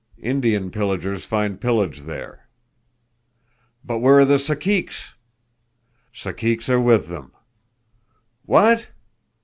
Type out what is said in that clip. Indian pillagers find pillage there." "But where are the Caciques?" "Caciques are with them." "What!